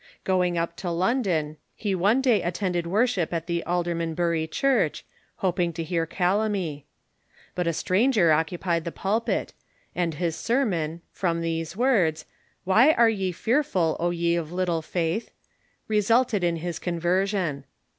Goini; up to Owen *.» 1 London, he one day attended worship at Alderraanbury church, hoping to hear Calam3\ But a stranger occupied the ])ulpit, and his sermon, from these words, "Why are ye fear ful, O ye of little faith?" resulted in his conversion.